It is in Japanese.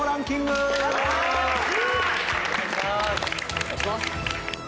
お願いします。